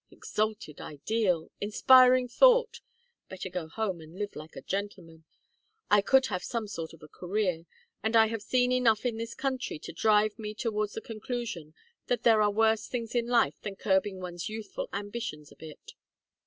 Exalted ideal! Inspiring thought! Better go home and live like a gentleman. I could have some sort of a career, and I have seen enough in this country to drive me towards the conclusion that there are worse things in life than curbing one's youthful ambitions a bit."